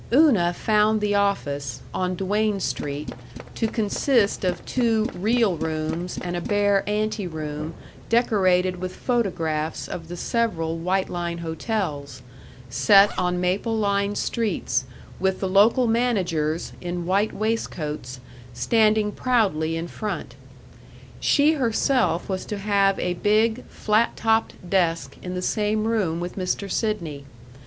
Una found the office, on Duane Street, to consist of two real rooms and a bare anteroom decorated with photographs of the several White Line Hotels set on maple lined streets, with the local managers, in white waistcoats, standing proudly in front. She herself was to have a big flat topped desk in the same room with Mr. Sidney.